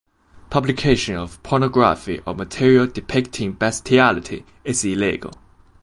Publication of pornography or material depicting bestiality is illegal.